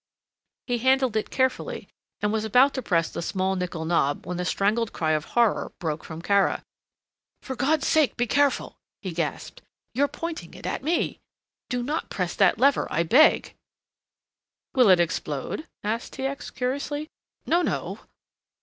He handled it carefully and was about to press the small nickel knob when a strangled cry of horror broke from Kara. "For God's sake be careful!" he gasped. "You're pointing it at me! Do not press that lever, I beg!" "Will it explode!" asked T. X. curiously. "No, no!"